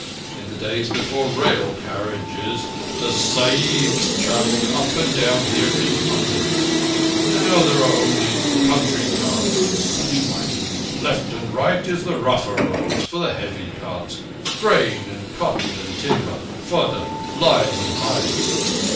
In the days before rail carriages the Sahibs travelled up and down here in hundreds. Now there are only country carts and such like. Left and right is the rougher road for the heavy carts—grain and cotton and timber, fodder, lime and hides.